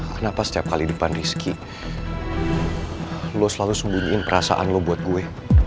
kenapa setiap kali depan rizky lo selalu sembunyiin perasaan lo buat gue